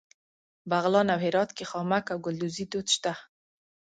بغلان او هرات کې خامک او ګلدوزي دود شته.